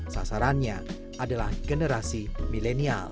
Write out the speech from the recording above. sasarannya adalah generasi milenial